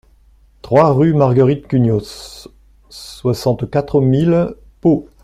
trois rue Marguerite Cugnos, soixante-quatre mille Pau